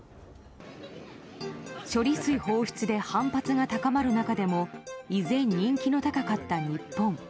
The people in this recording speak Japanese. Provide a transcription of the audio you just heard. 処理水放出で反発が高まる中でも依然人気の高かった日本。